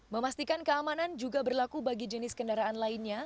memastikan keamanan juga berlaku bagi jenis kendaraan lainnya